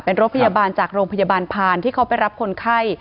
เป็นรถพยาบาลจากโรงพยาบาลพานที่เขาไปรับคนไข้